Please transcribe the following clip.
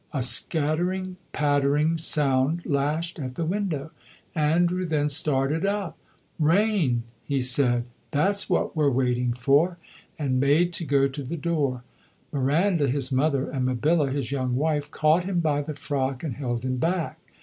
A scattering, pattering sound lashed at the window. Andrew then started up. "Rain!" he said; "that's what we're waiting for," and made to go to the door. Miranda his mother, and Mabilla his young wife, caught him by the frock and held him back.